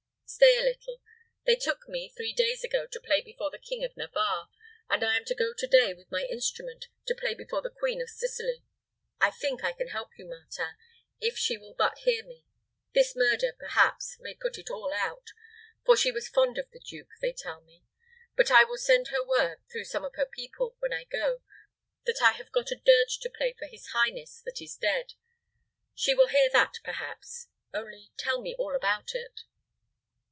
Stay a little. They took me, three days ago, to play before the King of Navarre, and I am to go to day, with my instrument, to play before the Queen of Sicily. I think I can help you, Martin, if she will but hear me. This murder, perhaps, may put it all out, for she was fond of the duke, they tell me; but I will send her word, through some of her people, when I go, that I have got a dirge to play for his highness that is dead. She will hear that, perhaps. Only tell me all about it."